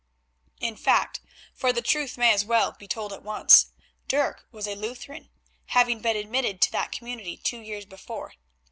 In fact, for the truth may as well be told at once, Dirk was a Lutheran, having been admitted to that community two years before.